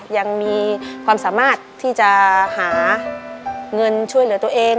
ยังมีความสามารถที่จะหาเงินช่วยเหลือตัวเอง